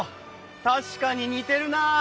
確かに似てるなあ。